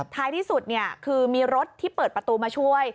ท้ายที่สุดคือมีรถที่เปิดประตูมาช่วย